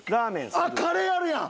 あっカレーあるやん！